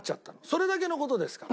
それだけの事ですから。